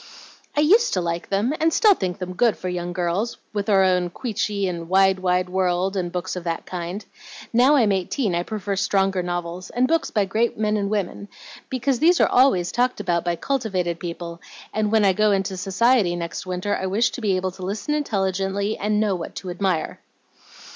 "I used to like them, and still think them good for young girls, with our own 'Queechy' and 'Wide, Wide World,' and books of that kind. Now I'm eighteen I prefer stronger novels, and books by great men and women, because these are always talked about by cultivated people, and when I go into society next winter I wish to be able to listen intelligently, and know what to admire."